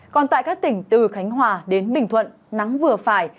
còn tại các tỉnh từ khánh hòa đến bình thuận nắng vừa phải